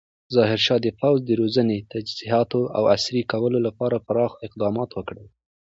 ظاهرشاه د پوځ د روزنې، تجهیزات او عصري کولو لپاره پراخ اقدامات وکړل.